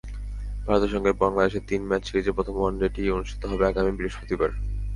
ভারতের সঙ্গে বাংলাদেশের তিন ম্যাচ সিরিজের প্রথম ওয়ানডেটি অনুষ্ঠিত হবে আগামী বৃহস্পতিবার।